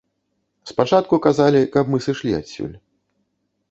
Спачатку казалі, каб мы сышлі адсюль.